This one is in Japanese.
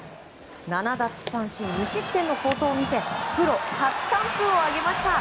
７奪三振、無失点の好投を見せプロ初完封を挙げました。